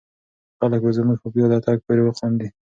خلک به زموږ په پیاده تګ پورې وخاندي.